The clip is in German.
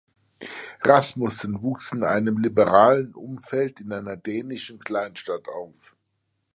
Rasmussen wuchs in einem liberalen Umfeld in einer dänischen Kleinstadt auf.